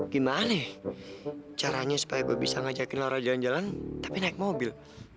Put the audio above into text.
gimana nih caranya supaya gue bisa ngajakin laura jalan jalan tapi naik mobil